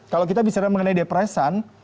kalau kita bicara mengenai depresan